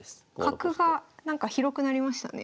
角がなんか広くなりましたね。